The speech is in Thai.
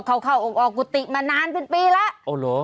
ก็เข้าออกออกกุฏิมานานเป็นปีแล้ว